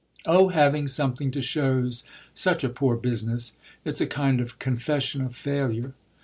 "Oh having something to show's such a poor business. It's a kind of confession of failure."